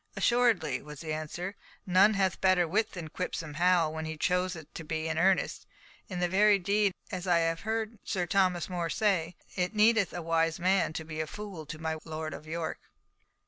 "Assuredly," was the answer; "none hath better wit than Quipsome Hal, when he chooseth to be in earnest. In very deed, as I have heard Sir Thomas More say, it needeth a wise man to be fool to my Lord of York."